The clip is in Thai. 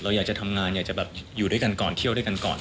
เราอยากจะทำงานอยู่ด้วยกันก่อนเที่ยวด้วยกันก่อน